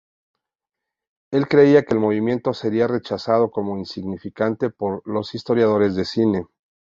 Él creía que el movimiento sería rechazado como insignificante por los historiadores de cine.